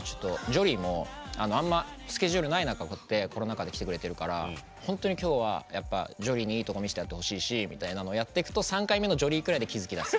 ジョリーも、あんまスケジュールない中コロナ禍で来てくれてるから本当にきょうはジョリーにいいとこ見せてやってほしいっていうと３回目のジョリーくらいで気付きだす。